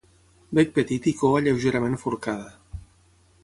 Bec petit i cua lleugerament forcada.